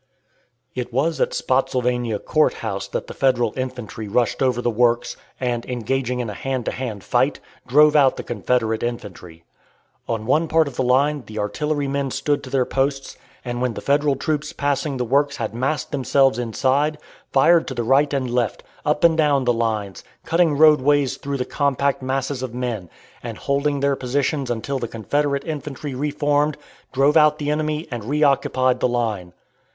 It was at Spottsylvania Court House that the Federal infantry rushed over the works, and, engaging in a hand to hand fight, drove out the Confederate infantry. On one part of the line the artillerymen stood to their posts, and when the Federal troops passing the works had massed themselves inside, fired to the right and left, up and down the lines, cutting roadways through the compact masses of men, and holding their positions until the Confederate infantry reformed, drove out the enemy and re occupied the line.